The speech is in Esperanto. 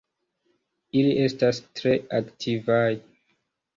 Ili estas tre aktivaj.